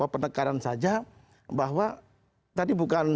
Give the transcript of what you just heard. pendekaran saja bahwa tadi bukan